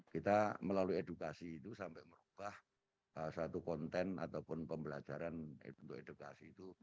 kita melalui edukasi itu sampai merubah satu konten ataupun pembelajaran untuk edukasi itu